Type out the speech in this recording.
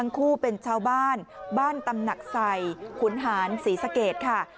คู่เป็นชาวบ้านบ้านตำหนักใส่ขุนหารศรีสะเกดค่ะ